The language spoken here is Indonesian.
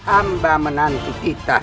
amba menanti kita